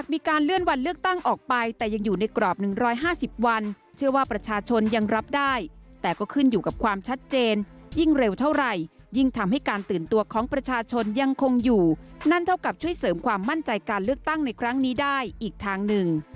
มีการเลื่อนวันเลือกตั้งออกไปแต่ยังอยู่ในกรอบ๑๕๐วันเชื่อว่าประชาชนยังรับได้แต่ก็ขึ้นอยู่กับความชัดเจนยิ่งเร็วเท่าไหร่ยิ่งทำให้การตื่นตัวของประชาชนยังคงอยู่นั่นเท่ากับช่วยเสริมความมั่นใจการเลือกตั้งในครั้งนี้ได้อีกทางหนึ่ง